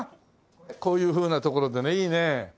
こういうふうな所でねいいね。